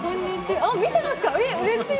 見てますかうれしい！